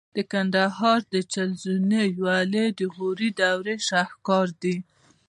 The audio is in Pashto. د کندهار د چل زینو ویالې د غوري دورې شاهکار دي